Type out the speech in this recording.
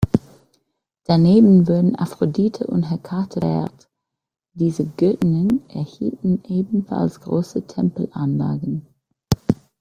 Daneben wurden Aphrodite und Hekate verehrt; diese Göttinnen erhielten ebenfalls große Tempelanlagen.